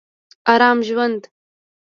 ارام ژوند